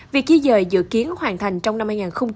việc di rời dự kiến hoàn thành trong năm hai nghìn hai mươi bốn